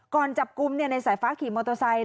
ก่อนจับกลุ่มในสายฟ้าขี่มอเตอร์ไซค์